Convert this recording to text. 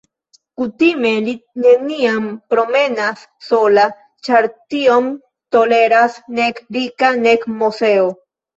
Kutime li neniam promenas sola, ĉar tion toleras nek Rika, nek Moseo.